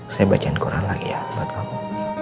saya baca al quran lagi ya buat kamu